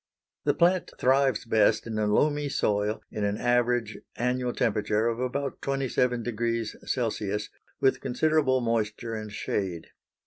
The plant thrives best in a loamy soil in an average annual temperature of about 27 degrees C., with considerable moisture and shade.